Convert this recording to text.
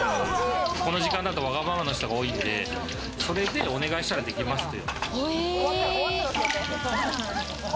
この時間だとわがままな人が多いんで、お願いしたらできますって。